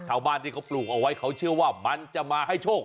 ชาวบ้านที่เขาปลูกเอาไว้เขาเชื่อว่ามันจะมาให้โชค